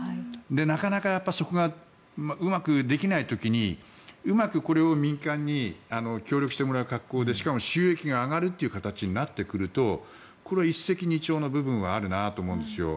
なかなかそこがうまくできない時にうまくこれを民間に協力してもらう格好でしかも収益が上がるという形になってくるとこれは一石二鳥の部分はあるなと思うんですよ。